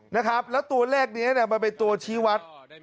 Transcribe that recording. และตัวแรกนี้มันเป็นตัวชี้วัด